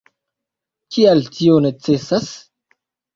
Kial tio necesas?